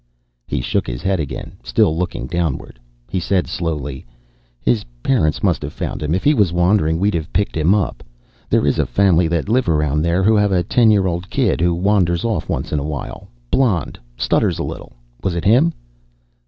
He shook his head again, still looking downward. He said slowly, "His parents must have found him. If he was wandering we'd have picked him up. There is a family that live around there who have a ten year old kid who wanders off once in a while. Blond, stutters a little. Was it him?"